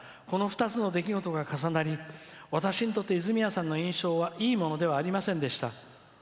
この２つの出来事が重なり印象はいいものではありませんでした」。